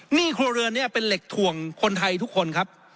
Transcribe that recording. หนี้ครัวเรือนนี้เป็นเหล็กถ่วงคนไทยทุกคนครับ